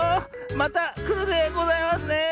またくるでございますね。